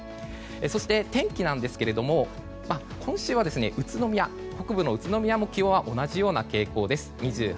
そして天気は今週は北部の宇都宮も気温は同じような傾向です。